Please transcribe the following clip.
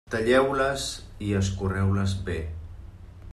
Talleu-les i escorreu-les bé.